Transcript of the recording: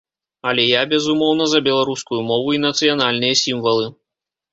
Але я, безумоўна, за беларускую мову і нацыянальныя сімвалы.